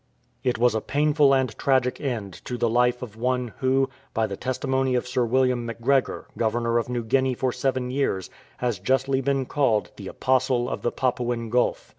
It was a painful and tragic end to the life of one who, by the testimony of Sir William Macgregor, Governor of New Guinea for seven years, has justly been called " The Apostle of the Papuan Gulf."